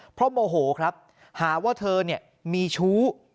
เพราะโมโหครับหาว่าเธอมีชู้